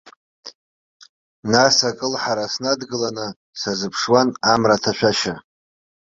Нас акылҳара снадгыланы сазыԥшуан амра аҭашәашьа.